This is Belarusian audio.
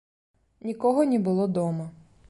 Нікога не было дома.